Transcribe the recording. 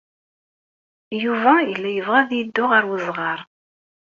Yuba yella yebɣa ad yeddu ɣer uzɣar.